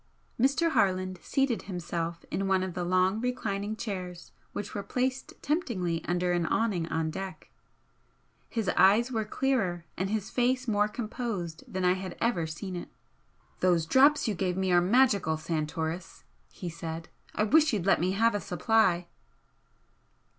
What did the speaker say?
Mr. Harland seated himself in one of the long reclining chairs which were placed temptingly under an awning on deck. His eyes were clearer and his face more composed than I had ever seen it. "Those drops you gave me are magical, Santoris!" he said "I wish you'd let me have a supply!"